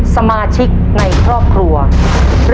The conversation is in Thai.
รับรายการระบบ